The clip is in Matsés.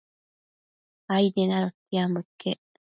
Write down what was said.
Aidien adotiambo iquec